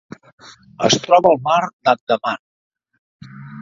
Es troba al Mar d'Andaman.